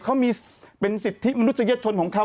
เขามีเป็นสิทธิมนุษยชนของเขา